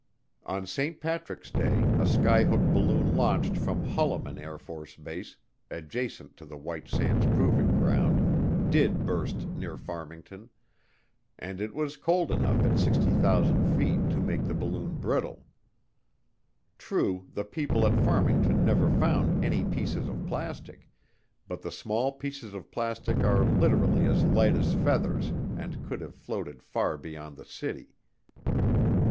On St. Patrick's Day a skyhook balloon launched from Holloman AFB, adjacent to the White Sands Proving Ground, did burst near Farmington, and it was cold enough at 60,000 feet to make the balloon brittle. True, the people at Farmington never found any pieces of plastic, but the small pieces of plastic are literally as light as feathers and could have floated far beyond the city.